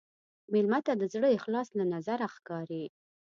مېلمه ته د زړه اخلاص له نظره ښکاري.